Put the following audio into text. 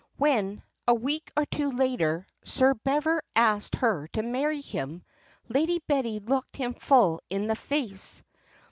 When, a week or two later, Sir Bever asked her to marry him, Lady Betty looked him full in the face.